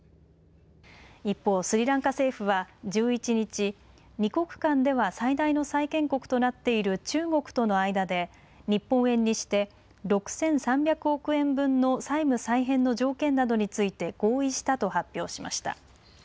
一方、スリランカ政府は１１日、２国間では最大の債権国となっている中国との間で日本円にして６３００億円分の債務再編の条件などについて合意したと発表しました。